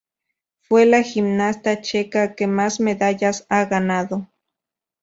Fue la gimnasta checa que más medallas ha ganado.